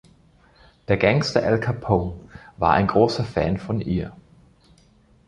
Der Gangster Al Capone war ein großer Fan von ihr.